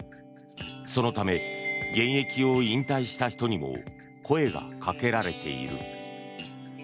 そのため現役を引退した人にも声がかけられている。